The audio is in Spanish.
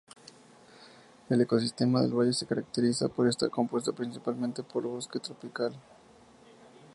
El ecosistema del valle se caracteriza por estar compuesto principalmente por bosque seco tropical.